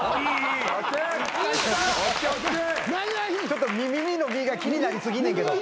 ちょっとみみみの実が気になり過ぎんねんけど。